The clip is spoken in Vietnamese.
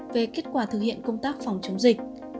về kết quả thực hiện công tác phòng chống dịch